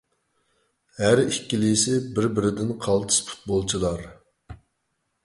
ھەر ئىككىلىسى بىر-بىرىدىن قالتىس پۇتبولچىلار.